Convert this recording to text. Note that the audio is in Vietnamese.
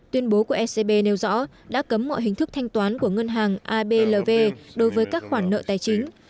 tuyên bố của ecb nêu rõ đã cấm mọi hình thức thanh toán của ngân hàng ablv đối với các khoản nợ tài chính